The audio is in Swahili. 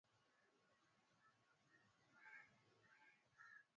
Mwaka wa elfu moja mia tisa tisini na tisa ambako alikuwa mchezaji bora